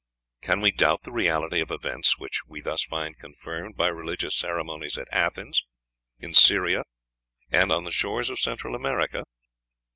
'" Can we doubt the reality of events which we thus find confirmed by religious ceremonies at Athens, in Syria, and on the shores of Central America?